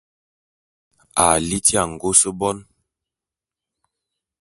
À liti angôs bone.